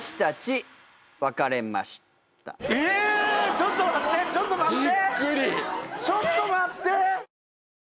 ちょっと待ってちょっと待って！